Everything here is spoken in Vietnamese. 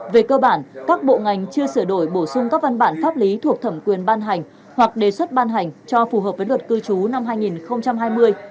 về cơ bản các bộ ngành chưa sửa đổi bổ sung các văn bản pháp lý thuộc thẩm quyền ban hành hoặc đề xuất ban hành cho phù hợp với luật cư trú năm hai nghìn hai mươi